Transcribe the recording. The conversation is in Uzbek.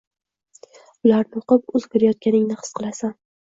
Ularni o’qib, o’zgarayotganingni his qilasan